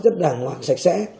rất đàng hoàng sạch sẽ